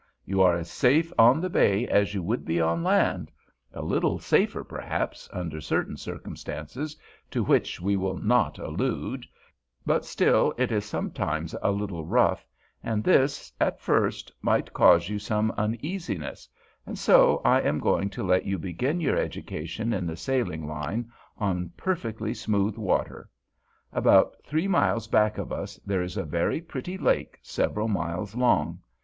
You are as safe on the bay as you would be on land—a little safer, perhaps, under certain circumstances, to which we will not allude—but still it is sometimes a little rough, and this, at first, might cause you some uneasiness, and so I am going to let you begin your education in the sailing line on perfectly smooth water. About three miles back of us there is a very pretty lake several miles long.